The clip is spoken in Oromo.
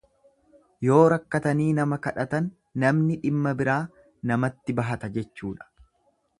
Yoo rakkatanii nama kadhatan namni dhimma biraa namatti bahata jechuudha.